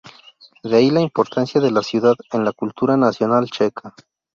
De ahí la importancia de la ciudad en la cultura nacional checa.